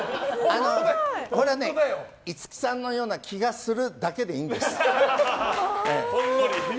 これはね、五木さんのような気がするだけでいいんです。